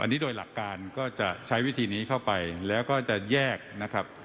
อันนี้โดยหลักการก็จะใช้วิธีนี้เข้าไปแล้วก็จะแยกนะครับ